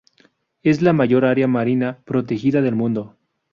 Es la mayor área marina protegida del mundo.